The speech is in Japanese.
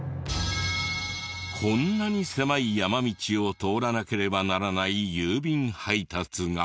こんなに狭い山道を通らなければならない郵便配達が。